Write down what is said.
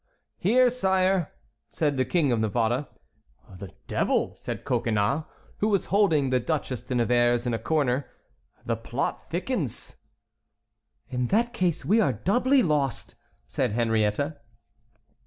"Here, sire," said the King of Navarre. "The devil!" said Coconnas, who was holding the Duchesse de Nevers in a corner, "the plot thickens." "In that case we are doubly lost," said Henriette.